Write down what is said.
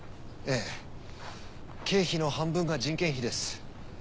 ええ経費の半分が人件費です。